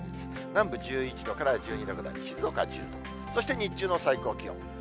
南部１１度から１２度ぐらい、静岡は１０度、そして日中の最高気温。